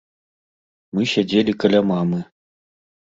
Мы сядзелі каля мамы.